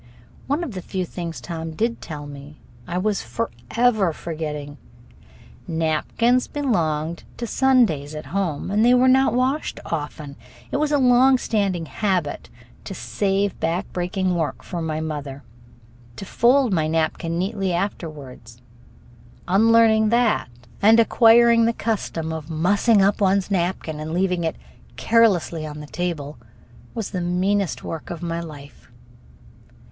One of the few things Tom did tell me I was forever forgetting. Napkins belonged to Sundays at home, and they were not washed often. It was a long standing habit, to save back breaking work for mother, to fold my napkin neatly after meals. Unlearning that and acquiring the custom of mussing up one's napkin and leaving it carelessly on the table was the meanest work of my life.